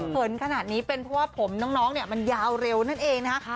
เขินขนาดนี้เป็นเพราะว่าผมน้องเนี่ยมันยาวเร็วนั่นเองนะคะ